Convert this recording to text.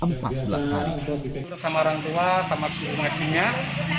sama orang tua sama kemahasinya